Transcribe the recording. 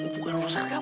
bukan lorasan kamu